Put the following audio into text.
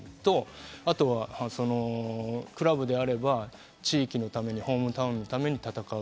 あとはクラブであれば、地域のために、ホームタウンのために戦う。